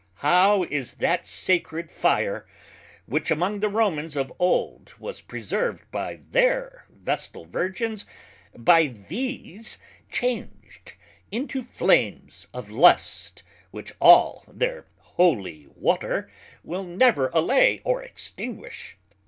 How is that sacred Fire, which among the Romans of old was preserved by their Vestal Virgins, by these changed into Flames of Lust, which all their Holy water will never allay or extinguish?